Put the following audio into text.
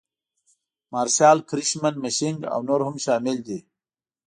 مارشال کرشمن مشینک او نور هم شامل دي.